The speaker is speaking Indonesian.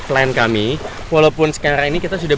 klien kami walaupun sekarang ini kita sudah